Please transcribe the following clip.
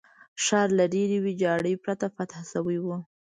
ښار له ډېرې ویجاړۍ پرته فتح شوی وو.